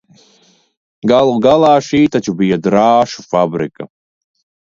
Galu galā, šī taču bija drāšu fabrika!